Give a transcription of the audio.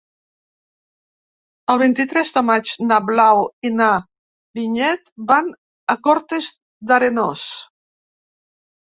El vint-i-tres de maig na Blau i na Vinyet van a Cortes d'Arenós.